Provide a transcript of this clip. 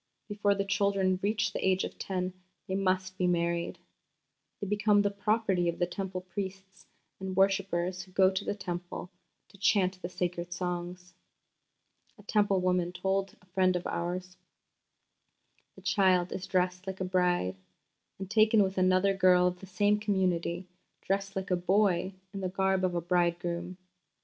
Before the children reach the age of ten they must be married. ... They become the property of the Temple priests and worshippers who go to the Temple to chant the sacred songs." A Temple woman herself told a friend of ours: "The child is dressed like a bride, and taken with another girl of the same community, dressed like a boy in the garb of a bridegroom.